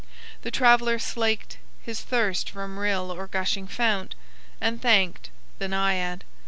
The Traveller slaked His thirst from rill or gushing fount, and thanked The Naiad.